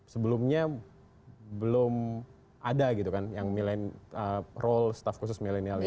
sebelumnya belum ada gitu kan yang role staff khusus milenial